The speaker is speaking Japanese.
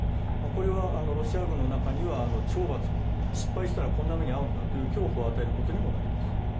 これはロシア軍の中には失敗したらこんな目に遭うんだという恐怖を与えることにもなります。